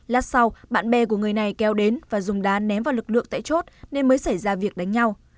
lát sau bạn bè của người này kéo đến và dùng đá ném vào lực lượng tại chốt nên mới xảy ra việc đánh nhau